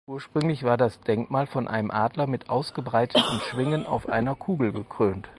Ursprünglich war das Denkmal von einem Adler mit ausgebreiteten Schwingen auf einer Kugel gekrönt.